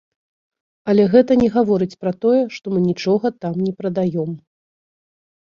Але гэта не гаворыць пра тое, што мы нічога там не прадаём.